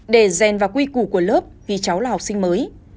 để rèn vào quy củ của lớp vì cháu là học sinh mới